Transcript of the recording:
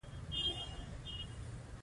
د تکنیټیم لومړنی مصنوعي عنصر و.